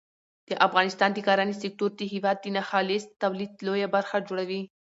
د افغانستان د کرنې سکتور د هېواد د ناخالص تولید لویه برخه جوړوي.